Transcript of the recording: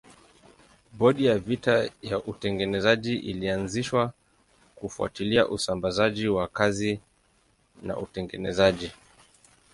Bodi ya vita ya utengenezaji ilianzishwa kufuatilia usambazaji wa kazi na utengenezaji.